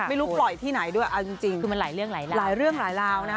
ไม่รู้ปล่อยที่ไหนด้วย